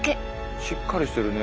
しっかりしてるね。